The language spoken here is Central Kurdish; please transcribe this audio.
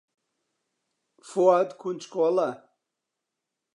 فواد کونجکۆڵە.